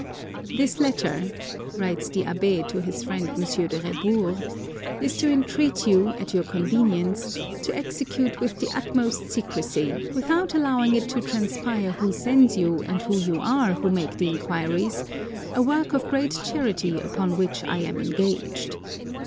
" This letter," writes the Abb^ to his friend M. de Rebours, " is to entreat you, at your convenience, to execute with the utmost secrecy, without allowing it to transpire who sends you and who you are who make the inquiries, a work of great charity upon which I am engaged.